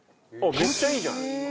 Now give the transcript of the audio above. めっちゃいいじゃないですか。